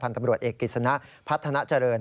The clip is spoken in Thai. พันธ์ตำรวจเอกริษณะพัฒนาเจริญ